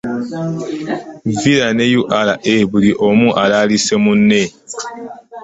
Villa ne URA buli omu alaalise munne.